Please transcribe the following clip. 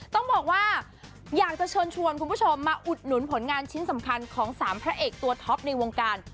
ต้องบอกว่าอยากจะเชิญชวนคุณผู้ชมมาอุดหนุนผลงานชิ้นสำคัญของสามพระเอกตัวท็อปในวงการ